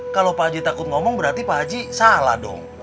kalau pak haji takut ngomong berarti pak haji salah dong